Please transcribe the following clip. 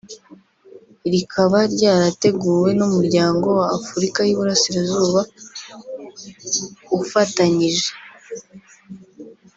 rikaba ryarateguwe n’umuryango wa Afurika y’Iburasirazuba ufatanyije